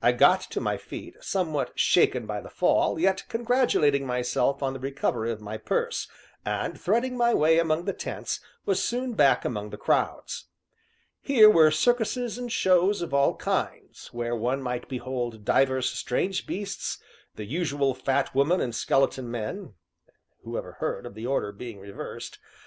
I got to my feet, somewhat shaken by the fall, yet congratulating myself on the recovery of my purse, and, threading my way among the tents, was soon back among the crowd. Here were circuses and shows of all kinds, where one might behold divers strange beasts, the usual Fat Women and Skeleton Men (who ever heard of the order being reversed?)